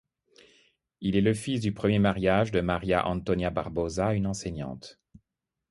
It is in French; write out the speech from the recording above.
Il est le fils du premier mariage de Maria Antonia Barbosa, une enseignante.